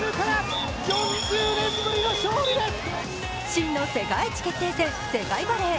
真の世界一決定戦、世界バレー。